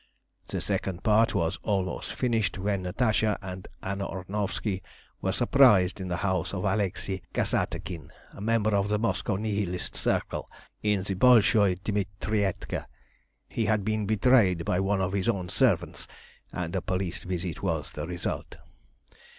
The second part was almost finished when Natasha and Anna Ornovski were surprised in the house of Alexei Kassatkin, a member of the Moscow Nihilist Circle, in the Bolshoi Dmitrietka. He had been betrayed by one of his own servants, and a police visit was the result.